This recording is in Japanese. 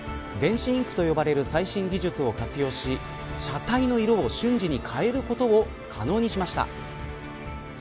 電子インクと呼ばれる最新技術を活用し車体の色を、瞬時に変えることを可能にしました。